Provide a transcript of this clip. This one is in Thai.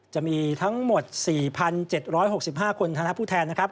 จะมีทั้งหมด๔๗๖๕คนธนผู้แทนนะครับ